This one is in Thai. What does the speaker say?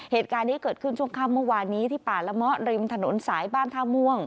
เหตุการณ์นี้เกิดขึ้นช่วงค่ำเมื่อวานนี้ที่ป่าละมะริมถนนสายบ้านท่าม่วง